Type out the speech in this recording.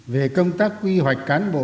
về công tác quy hoạch cán bộ